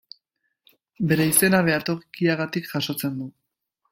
Bere izena behatokiagatik jasotzen du.